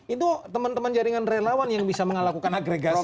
itu teman teman jaringan relawan yang bisa melakukan agregasi